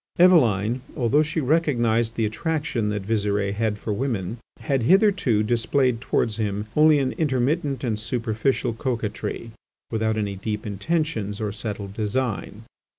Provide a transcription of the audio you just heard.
Eveline, although she recognised the attraction that Visire had for women, had hitherto displayed towards him only an intermittent and superficial coquetry, without any deep intentions or settled design.